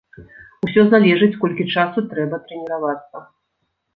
Усё залежыць, колькі часу трэба трэніравацца.